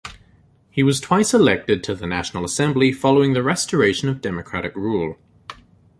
He was twice elected to the National Assembly following the restoration of democratic rule.